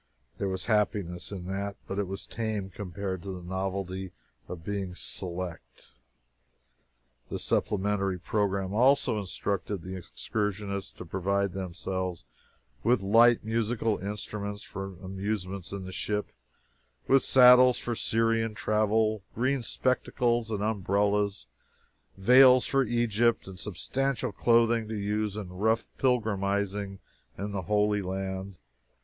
There was happiness in that but it was tame compared to the novelty of being "select." This supplementary program also instructed the excursionists to provide themselves with light musical instruments for amusement in the ship, with saddles for Syrian travel, green spectacles and umbrellas, veils for Egypt, and substantial clothing to use in rough pilgrimizing in the Holy Land.